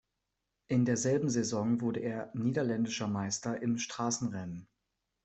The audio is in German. In derselben Saison wurde er niederländischer Meister im Straßenrennen.